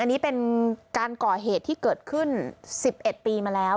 อันนี้เป็นการก่อเหตุที่เกิดขึ้น๑๑ปีมาแล้ว